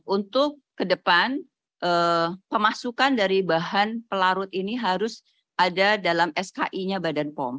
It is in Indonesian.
untuk ke depan pemasukan dari bahan pelarut ini harus ada dalam skm